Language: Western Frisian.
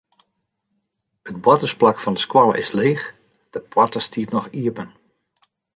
It boartersplak fan de skoalle is leech, de poarte stiet noch iepen.